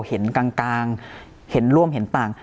เห็นกลางเห็นร่วมเห็นต่าง